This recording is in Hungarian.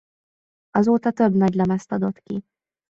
Azóta több nagylemezt adott ki.